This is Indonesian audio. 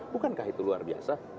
bukankah itu luar biasa